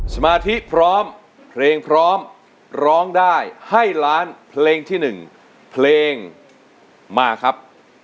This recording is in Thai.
สมาธิพร้อมเพลงพร้อมร้องได้ให้ล้านเพลงที่๑เพลงมาครับ